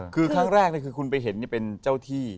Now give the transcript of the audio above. คือครั้งแรกคือคุณไปเห็นเป็นเจ้าที่